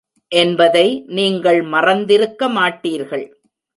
என்பதை நீங்கள் மறந்திருக்க மாட்டீர்கள்.